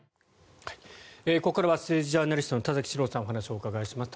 ここからは政治ジャーナリストの田崎史郎さんにお話をお伺いします。